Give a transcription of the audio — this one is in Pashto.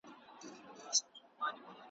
چي ته وې،